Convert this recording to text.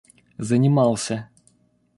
занимался